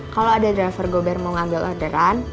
kalau ada driver gober mau ngambil orderan